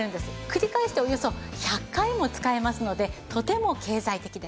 繰り返しておよそ１００回も使えますのでとても経済的です。